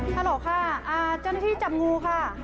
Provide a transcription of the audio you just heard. ฮัลโหลค่ะเจ้าหน้าที่จำงูค่ะ